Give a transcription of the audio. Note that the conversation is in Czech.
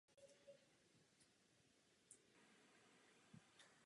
Severní část Italských Alp má charakter středoevropského klimatu s velkými výkyvy teplot.